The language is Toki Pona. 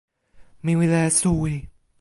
mi wile e suwi!